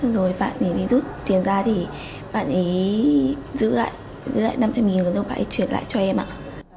rồi bạn ấy rút tiền ra thì bạn ấy giữ lại năm mươi đồng